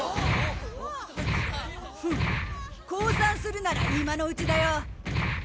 フッ降参するなら今のうちだよ。